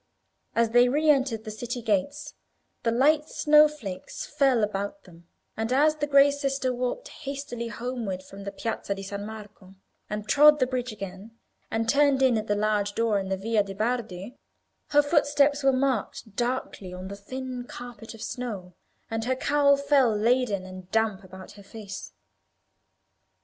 As they re entered the city gates the light snow flakes fell about them; and as the grey sister walked hastily homeward from the Piazza di San Marco, and trod the bridge again, and turned in at the large door in the Via de' Bardi, her footsteps were marked darkly on the thin carpet of snow, and her cowl fell laden and damp about her face.